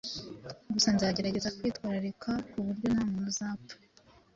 Gusa nzagerageza kwitwararika ku buryo nta muntu uzapfa